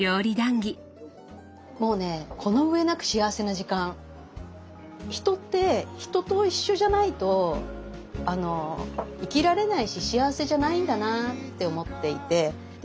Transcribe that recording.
もうね人って人と一緒じゃないと生きられないし幸せじゃないんだなって思っていてで